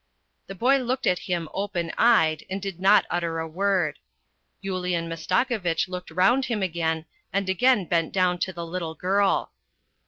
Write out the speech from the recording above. The boy looked at him open eyed and did not utter a word. Yulian Mastakovitch looked round him again, and again bent down to the little girl.